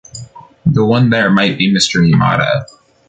The one there might be Mr. Yamada.